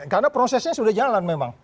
karena prosesnya sudah jalan memang